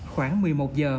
khoảng một mươi một giờ